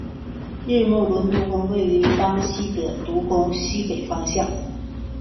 日木伦独宫位于当圪希德独宫西北方向。